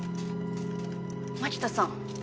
槙田さん